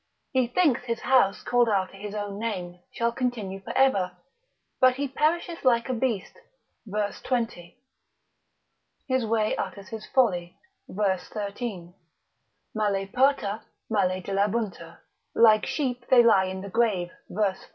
he thinks his house called after his own name, shall continue for ever; but he perisheth like a beast, verse 20. his way utters his folly, verse 13. male parta, male dilabuntur; like sheep they lie in the grave, verse 14.